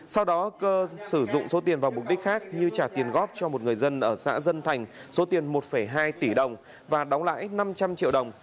sau đó cơ sử dụng số tiền vào mục đích khác như trả tiền góp cho một người dân ở xã dân thành số tiền một hai tỷ đồng và đóng lãi năm trăm linh triệu đồng